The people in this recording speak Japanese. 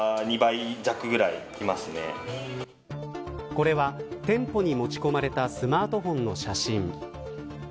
これは、店舗に持ち込まれたスマートフォンの写真。